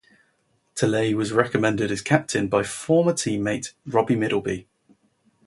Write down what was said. Talay was recommended as captain by former teammate Robbie Middleby.